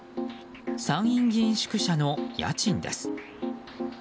参院議員宿舎の家賃です。